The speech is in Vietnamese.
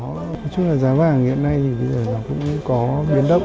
nói chung là giá vàng hiện nay thì bây giờ nó cũng có biến đốc